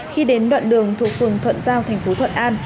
khi đến đoạn đường thuộc phường thuận giao tp thuận an